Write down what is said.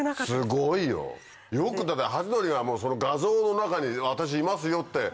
すごいよだってハチドリがその画像の中に「私いますよ」って